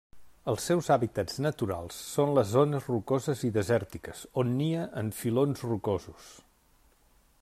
Els seus hàbitats naturals són les zones rocoses i desèrtiques, on nia en filons rocosos.